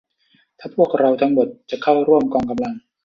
ถ้าพวกเราทั้งหมดจะเข้าร่วมกองกำลัง